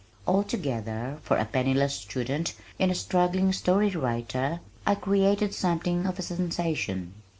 Altogether, for a penniless student and struggling story writer, I created something of a sensation.